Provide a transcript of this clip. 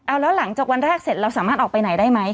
เอาแล้วหลังจากวันแรกเสร็จเราสามารถออกไปไหนได้ไหม